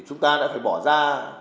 chúng ta đã phải bỏ ra